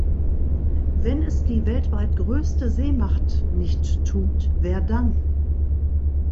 Wenn es die weltweit größte Seemacht nicht tut, wer dann?